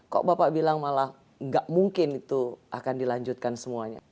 kok bapak bilang malah gak mungkin itu akan dilanjutkan semuanya